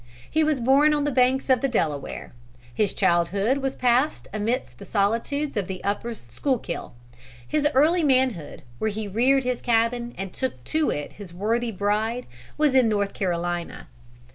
He was born on the banks of the Delaware; his childhood was passed amidst the solitudes of the Upper Skuylkill; his early manhood, where he reared his cabin and took to it his worthy bride, was in North Carolina.